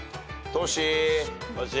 トシ。